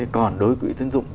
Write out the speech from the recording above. còn đối với quỹ tiến dụng